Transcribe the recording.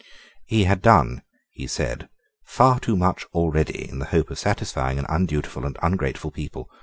He had done, he said, far too much already in the hope of satisfying an undutiful and ungrateful people.